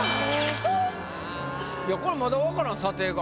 いやこれまだわからん査定が。